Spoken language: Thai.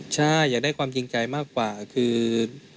ใช่อยากได้ความจริงใจมากกว่าคือ